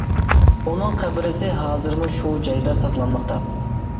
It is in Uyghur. ئۇنىڭ قەبرىسى ھازىرمۇ شۇ جايدا ساقلانماقتا.